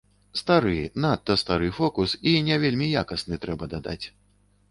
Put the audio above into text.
Стары, надта стары фокус, і не вельмі якасны, трэба дадаць.